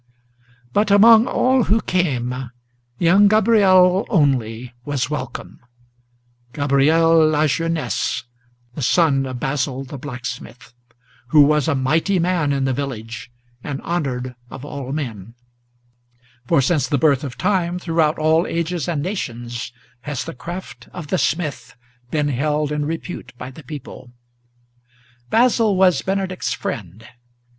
But, among all who came, young Gabriel only was welcome; Gabriel Lajeunesse, the son of Basil the blacksmith, Who was a mighty man in the village, and honored of all men; For, since the birth of time, throughout all ages and nations, Has the craft of the smith been held in repute by the people. Basil was Benedict's friend.